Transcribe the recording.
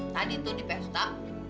tadi tuh di pesta